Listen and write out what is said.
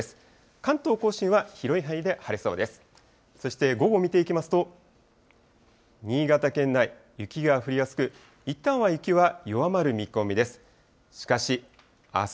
関東甲信は広い範囲で晴れそうです。